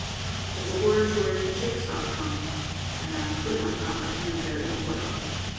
But the words were in the Chicasaw tongue, and I could not comprehend their import.